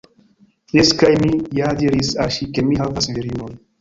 Jes! Kaj mi ja diris al ŝi ke mi havas virinon